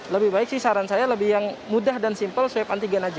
lebih baik sih saran saya lebih yang mudah dan simpel swab antigen aja